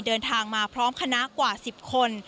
เดินทางมาพร้อมคณะกว่า๑๐คน